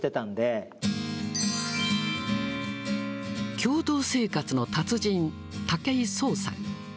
共同生活の達人、武井壮さん。